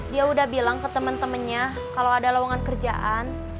dia udah bilang ke temen temennya kalau ada lowongan kerjaan